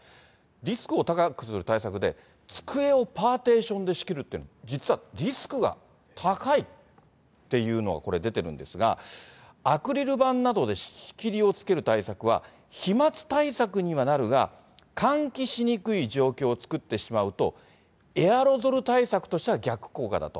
リスクを高くする対策で、机をパーテーションで仕切るって、実はリスクが高いっていうのが、これ、出てるんですが、アクリル板などで仕切りをつける対策は、飛まつ対策にはなるが、換気しにくい状況を作ってしまうと、エアロゾル対策としては逆効果だと。